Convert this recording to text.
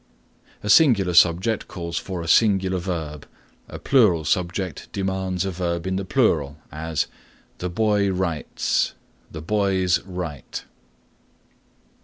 A singular subject calls for a singular verb, a plural subject demands a verb in the plural; as, "The boy writes," "The boys write."